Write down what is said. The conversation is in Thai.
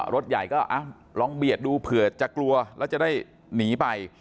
รถใหญ่ก็ลองเบียดดูเผื่อจะกลัวแล้วจะได้หนีไป